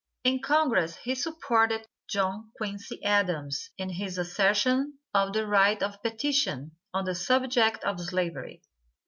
In congress he supported John Quincy Adams in his assertion of the right of petition on the subject of slavery.